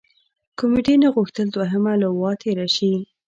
کمېټې نه غوښتل دوهمه لواء تېره شي.